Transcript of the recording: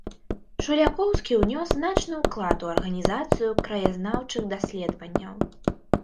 Шулякоўскі ўнёс значны ўклад у арганізацыю краязнаўчых даследаванняў.